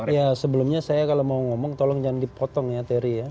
ya sebelumnya saya kalau mau ngomong tolong jangan dipotong ya terry ya